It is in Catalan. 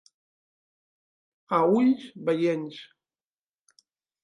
A ulls veients.